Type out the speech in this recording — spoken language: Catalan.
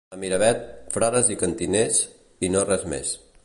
A Miravet, frares i cantiners, i no res més.